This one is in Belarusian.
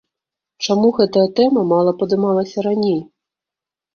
Чаму гэтая тэма мала падымалася раней?